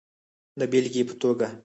د بېلګې په توګه